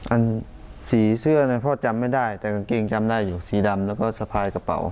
สีเสื้อพ่อจำไม่ได้แต่กางเกงจำได้อยู่สีดำแล้วก็สะพายกระเป๋า